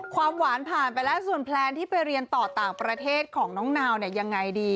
ความหวานผ่านไปแล้วส่วนแพลนที่ไปเรียนต่อต่างประเทศของน้องนาวเนี่ยยังไงดี